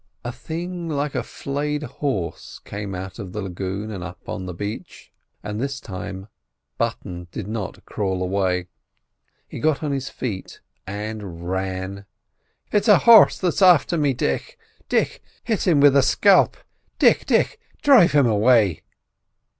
A thing like a flayed horse came out of the lagoon and up the beach, and this time Mr Button did not crawl away. He got on his feet and ran. "It's a harse that's afther me—it's a harse that's afther me! Dick! Dick! hit him a skelp. Dick! Dick! dhrive him away."